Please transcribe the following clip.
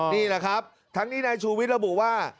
นี่แหละครับทั้งนี้นายชูวิทย์ระบุว่า